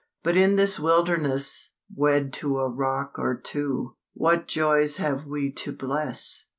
But in this wilderness, Wed to a rock or two, What joys have we to bless?